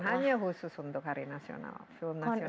hanya khusus untuk hari film nasional ini